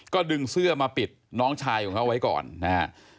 ก็ดึงเสื้อมาปิดน้องชายของเขาไว้ก่อนนะฮะ